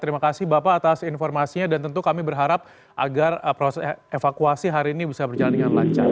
terima kasih bapak atas informasinya dan tentu kami berharap agar proses evakuasi hari ini bisa berjalan dengan lancar